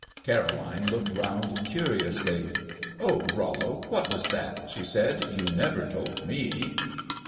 Caroline looked round curiously. "Oh, Rollo, what was that?" she said. "You never told me."